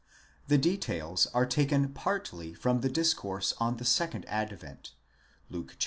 The details are taken partly from the discourse on the second advent, Luke xxi.